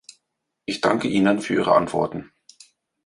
Ich danke Ihnen für Ihre Antworten.